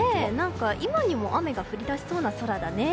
今にも雨が降り出しそうな空だね。